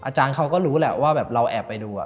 อาจารย์เขาก็รู้แหละว่าแบบเราแอบไปดู